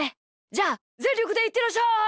じゃあぜんりょくでいってらっしゃい！